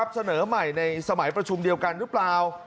เสนอใหม่ในสมัยประชุมเดียวกันหรือเปล่า